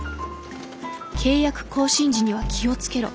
「契約更新時には気を付けろ」。